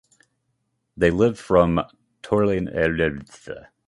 They lived from the Turonian to the Maastrichtian of the Late Cretaceous.